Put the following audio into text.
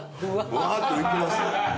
ふわーっと浮いてます？